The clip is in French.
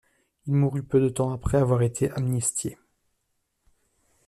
Il mourut peu de temps après avoir été amnistié.